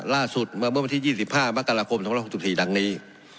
ล่าสุดเมื่อเมื่อบันที่๒๕มกรคม๑๙๖๔ดังนี้